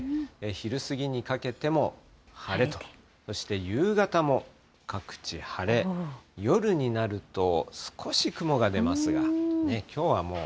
昼過ぎにかけても晴れと、そして夕方も各地晴れ、夜になると、少し雲が出ますが、きょうはもう。